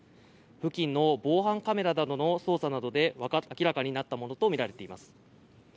付近の防犯カメラなどの捜査などで明らかになったものとみられています。